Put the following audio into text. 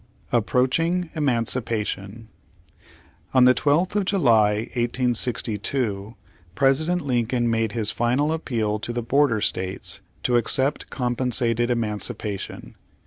APPROACHING EMANCIPATION On the 12th of July, 1862, President Lincoln made his final appeal to the border states to accept compensated emxancipation.